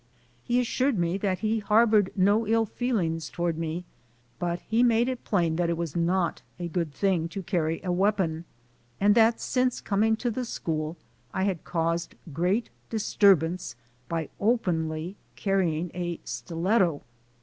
He assured me that he harbored no ill feelings toward me, but he made it plain that it was not a good thing to carry a weapon and that since coming to the school I had caused great disturbance by openly carrying a "stiletto."